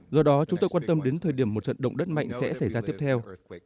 do đó chúng tôi quan tâm đến thời điểm một trận động đất mạnh sẽ xảy ra tiếp theo